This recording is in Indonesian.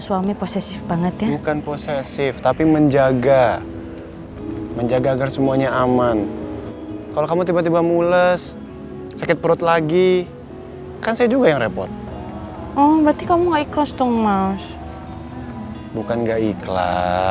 sampai jumpa di video selanjutnya